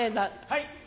はい。